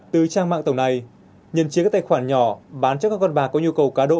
từ trang mạng tổng này nhân chiếm các tài khoản nhỏ bán cho các con bạc có nhu cầu cá độ